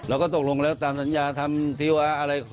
เราก็ตกลงแล้วตามสัญญาธรรมทีโออาร์อะไร